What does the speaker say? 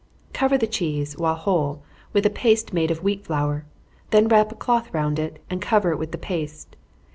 _ Cover the cheese, while whole, with a paste made of wheat flour; then wrap a cloth round it, and cover it with the paste.